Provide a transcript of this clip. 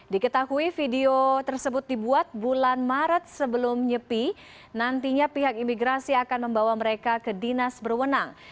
diketahui video tersebut dibuat bulan maret sebelum nyepi nantinya pihak imigrasi akan membawa mereka ke dinas berwenang